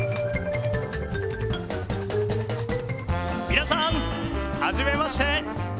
皆さん初めまして！